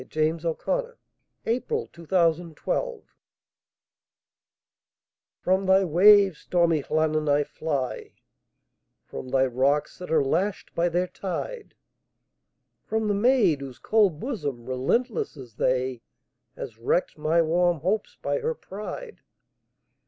Wales: Llannon Song By Anna Seward (1747–1809) FROM thy waves, stormy Llannon, I fly; From thy rocks, that are lashed by their tide; From the maid whose cold bosom, relentless as they, Has wrecked my warm hopes by her pride!